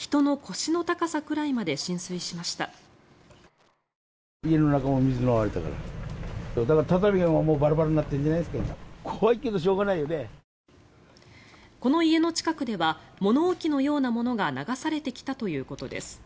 この家の近くでは物置のようなものが流されてきたということです。